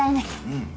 うん。